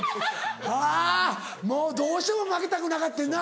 はぁもうどうしても負けたくなかってんな。